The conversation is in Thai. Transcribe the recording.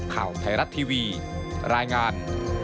ข่าวไทยรัฐทีวีรายงาน